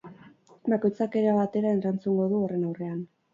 Bakoitzak era batera erantzungo du horren aurrean.